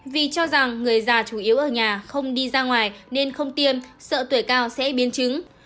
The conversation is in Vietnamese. vì cho rằng người già chủ yếu ở nhà không đi ra ngoài nên không tiêm sợ tuổi cao sẽ biến chứng